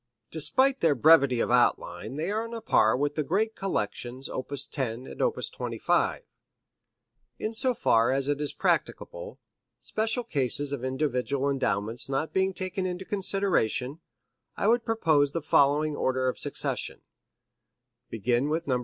Despite their brevity of outline they are on a par with the great collections op. 10 and op. 25. In so far as it is practicable special cases of individual endowments not being taken into consideration I would propose the following order of succession: Begin with Nos.